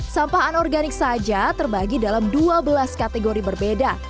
sampah anorganik saja terbagi dalam dua belas kategori berbeda